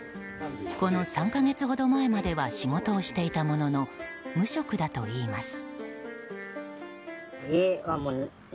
この３か月ほど前までは仕事をしていたものの無職だといいます。